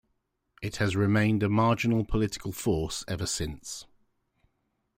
It has remained a marginal political force ever since.